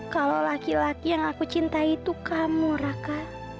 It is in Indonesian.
kalau laki laki yang aku cintai itu kamu raka